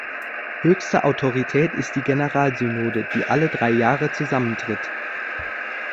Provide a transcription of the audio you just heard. Höchste Autorität ist die Generalsynode, die alle drei Jahre zusammentritt.